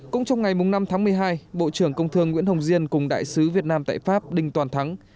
cũng trong ngày năm tháng một mươi hai bộ trưởng công thương nguyễn hồng diên cùng đại sứ việt nam tại pháp đinh toàn thắng